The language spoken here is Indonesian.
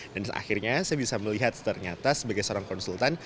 dan akhirnya saya bisa melihat ternyata sebagai seorang konsultan